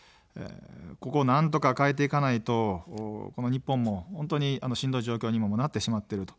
ここをなんとか変えていかないと日本も本当にしんどい状況にもなってしまってる。